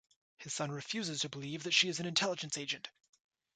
His son refuses to believe that she is an intelligence agent.